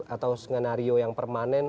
atau skenario yang permanen